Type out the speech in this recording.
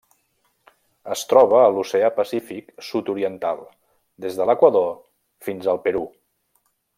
Es troba a l'Oceà Pacífic sud-oriental: des de l'Equador fins al Perú.